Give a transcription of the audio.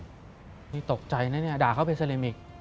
นี่ตกใจนะเนี่ยด่าเขาเป็นเซลมอีก